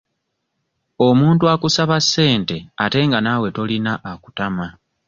Omuntu akusaba ssente ate nga naawe tolina akutama.